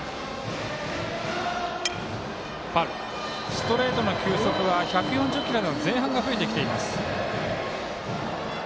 ストレートの球速は１４０キロの前半が増えてきています。